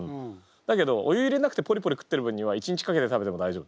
だけどお湯入れなくてポリポリ食ってる分には一日かけて食べても大丈夫。